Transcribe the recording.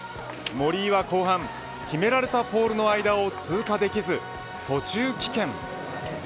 森井は後半決められたポールの間を通過できず途中棄権。